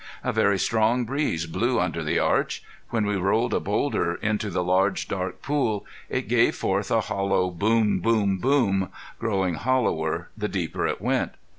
A very strong breeze blew under the arch. When we rolled a boulder into the large, dark pool it gave forth a hollow boom, boom, boom, growing hollower the deeper it went.